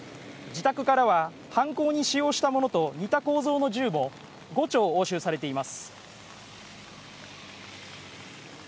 自宅からは犯行に使用したものと似た構造の銃も５丁押収されています。